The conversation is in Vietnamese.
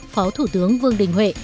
phó thủ tướng vương đình huệ